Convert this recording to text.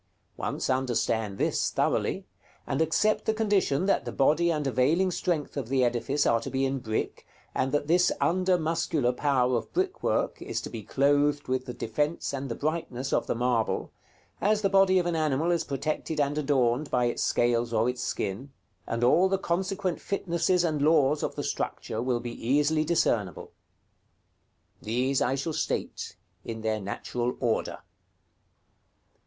Once understand this thoroughly, and accept the condition that the body and availing strength of the edifice are to be in brick, and that this under muscular power of brickwork is to be clothed with the defence and the brightness of the marble, as the body of an animal is protected and adorned by its scales or its skin, and all the consequent fitnesses and laws of the structure will be easily discernible: These I shall state in their natural order.